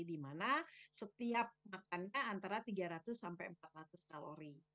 di mana setiap makannya antara tiga ratus sampai empat ratus kalori